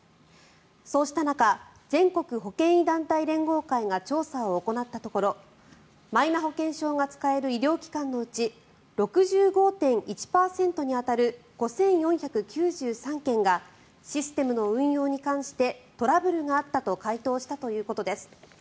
そうした中全国保険医団体連合会が調査を行ったところマイナ保険証が使える医療機関のうち６５．１％に当たる５４９３件がシステムの運用に関してトラブルがあったと回答したということです。